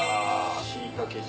しいたけ汁。